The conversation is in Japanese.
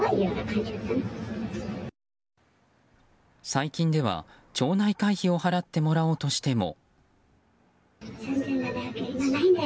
最近では、町内会費を払ってもらおうとしても。